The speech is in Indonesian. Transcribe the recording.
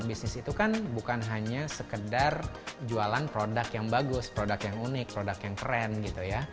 bisnis itu kan bukan hanya sekedar jualan produk yang bagus produk yang unik produk yang keren gitu ya